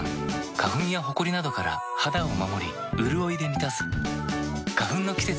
花粉やほこりなどから肌を守りうるおいで満たす。